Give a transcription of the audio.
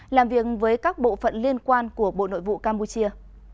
làm việc với các bộ phận liên quan của bộ nội vụ campuchia